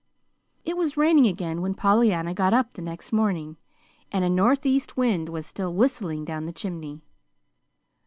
It was raining again when Pollyanna got up the next morning, and a northeast wind was still whistling down the chimney.